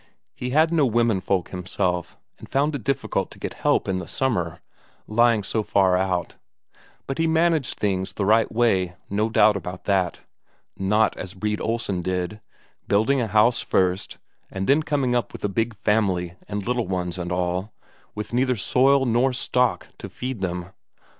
He had no womenfolk himself, and found it difficult to get help in the summer, lying so far out, but he managed things the right way, no doubt about that. Not as Brede Olsen did, building a house first, and then coming up with a big family and little ones and all, with neither soil nor stock to feed them.